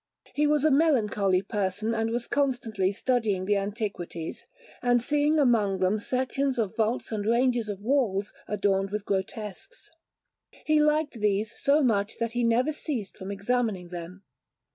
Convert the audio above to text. He was a melancholy person, and was constantly studying the antiquities; and seeing among them sections of vaults and ranges of walls adorned with grotesques, he liked these so much that he never ceased from examining them.